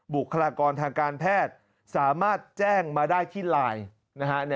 บุคลากรทางการแพทย์สามารถแจ้งมาได้ที่ไลน์นะฮะ